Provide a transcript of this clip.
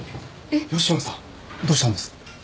吉野さんどうしたんですか？